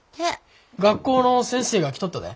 学校の先生が着とったで。